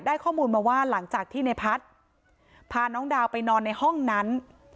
ข้อมูลมาว่าหลังจากที่ในพัฒน์พาน้องดาวไปนอนในห้องนั้น